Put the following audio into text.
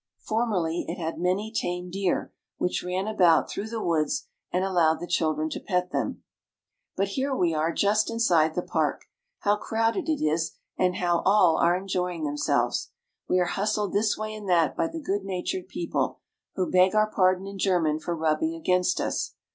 Formerly it had many tame deer, which ran about through the woods and allowed the children to pet them. But here we are just inside the park. How crowded it is, and how all are enjoying themselves ! We are hustled this way and that by the good natured people, who beg our pardon in German for rubbing against us.